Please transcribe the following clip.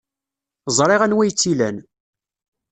Ẓriɣ anwa ay tt-ilan.